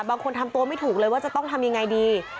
บางคนทำตัวไม่ถูกเลยว่าจะต้องทำยังไงดี